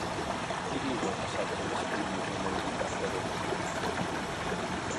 Qui viu al passatge d'Espíria número vuitanta-dos?